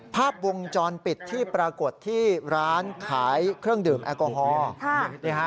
ภาพวงจรปิดที่ปรากฏที่ร้านขายเครื่องดื่มแอลกอฮอล์